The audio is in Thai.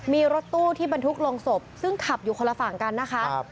มีรถตู้ที่บรรทุกลงศพซึ่งขับอยู่คนละฝั่งกันนะคะ